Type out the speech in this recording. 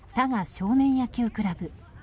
少年野球クラブ。